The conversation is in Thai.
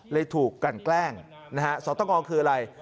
เลยถูกกันแกล้งสอต้องอคืออะไร